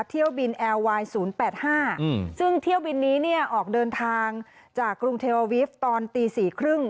เที่ยวบินแอร์ไวน์๐๘๕ซึ่งเที่ยวบินนี้เนี่ยออกเดินทางจากกรุงเทวาวิฟต์ตอนตี๔๓๐